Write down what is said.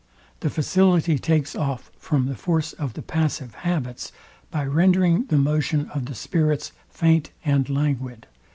The facility takes off from the force of the passive habits by rendering the motion of the spirits faint and languid.